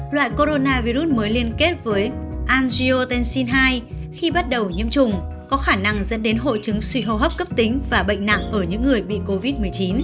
loại coronavirus mới liên kết với anjio tencin hai khi bắt đầu nhiễm trùng có khả năng dẫn đến hội chứng suy hô hấp cấp tính và bệnh nặng ở những người bị covid một mươi chín